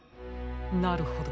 なるほど。